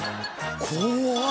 怖っ！